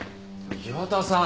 岩田さん！